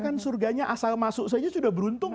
kan surganya asal masuk saja sudah beruntung